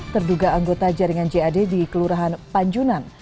terduga anggota jaringan jad di kelurahan panjunan